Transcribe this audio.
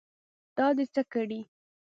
دا دې څه کړي.